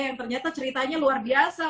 yang ternyata ceritanya luar biasa